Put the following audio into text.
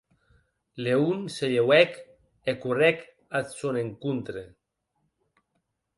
Leon se lheuèc e correc ath sòn encontre.